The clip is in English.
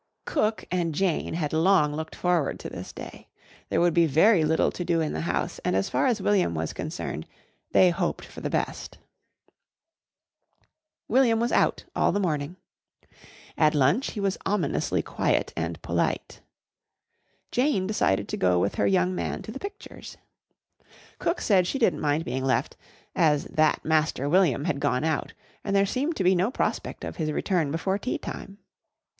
Cook and Jane had long looked forward to this day. There would be very little to do in the house and as far as William was concerned they hoped for the best. William was out all the morning. At lunch he was ominously quiet and polite. Jane decided to go with her young man to the pictures. Cook said she didn't mind being left, as "that Master William" had gone out and there seemed to be no prospect of his return before tea time.